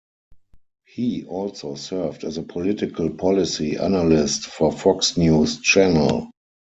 He also served as a political policy analyst for Fox News Channel.